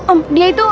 om dia itu